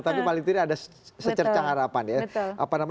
tapi paling tidak ada secercang harapan ya